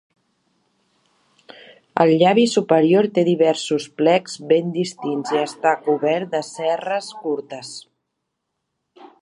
El llavi superior té diversos plecs ben distints i està cobert de cerres curtes.